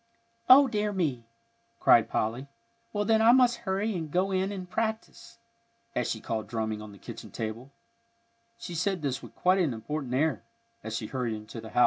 "O dear me!" cried Polly. "Well, then, I must hurry and go in and practise," as she called drumming on the kitchen table; she said this with quite an important air, as she hurried into the house.